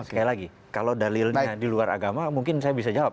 sekali lagi kalau dalilnya di luar agama mungkin saya bisa jawab